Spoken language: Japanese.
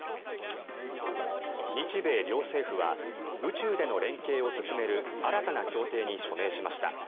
日米両政府は宇宙での連携を進める新たな協定に署名しました。